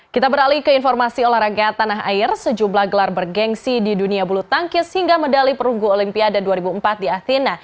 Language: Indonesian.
kita beralih ke informasi olahraga tanah air sejumlah gelar bergensi di dunia bulu tangkis hingga medali perunggu olimpiade dua ribu empat di athena